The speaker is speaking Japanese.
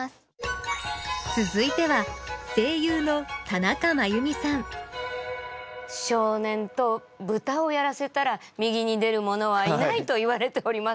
続いては少年とぶたをやらせたら右に出るものはいないといわれております。